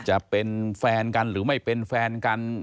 จะเป็นแฟนกันหรือไม่เป็นแฟนกัน